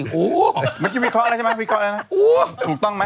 เมื่อกี้วิเคราะห์แล้วใช่ไหม